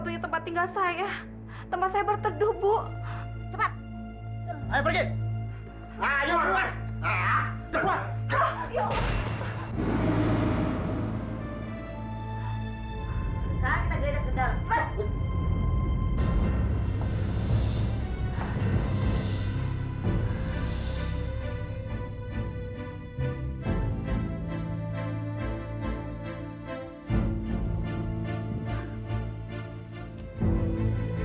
terima kasih tonton